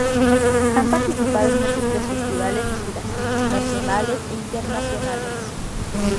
Han participado en múltiples festivales y giras, nacionales e internacionales.